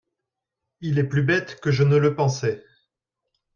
Il est plus bête que je ne le pensais.